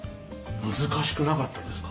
難しくなかったですか？